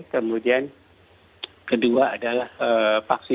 kemudian kedua adalah vaksin